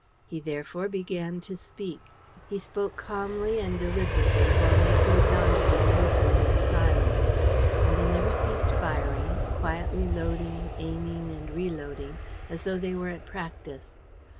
He therefore began to speak. He spoke calmly and deliberately, while M. d'Andeville listened in silence. And they never ceased firing, quietly loading, aiming and reloading, as though they were at practise.